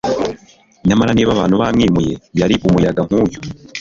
Nyamara niba abantu bamwimuye yari umuyaga nkuyu